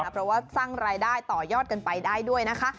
เพราะว่าสร้างรายได้ต่อยอดกันไปได้ด้วยนะคะ